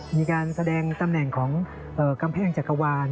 มีการแสดงตำแหน่งของกำแพงจักรวาล